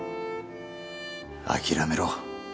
諦めろ。